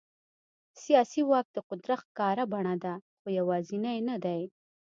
سیاسي واک د قدرت ښکاره بڼه ده، خو یوازینی نه دی.